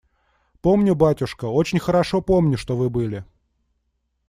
Помню, батюшка, очень хорошо помню, что вы были.